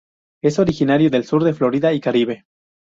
Es originario del sur de Florida y Caribe.